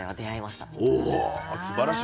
おすばらしい。